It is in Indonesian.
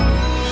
oh siapa nih